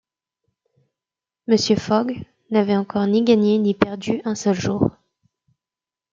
Mr. Fogg n’avait encore ni gagné ni perdu un seul jour.